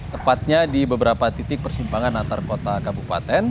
tepatnya di beberapa titik persimpangan antar kota kabupaten